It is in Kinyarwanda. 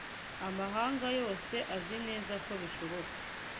amahanga yose azi neza ko bishoboka